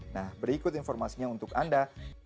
nah berikut informasinya untuk anda